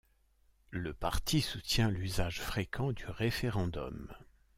Le parti soutient l'usage fréquent du référendum.